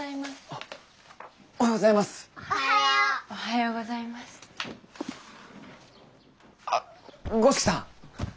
あっ五色さん。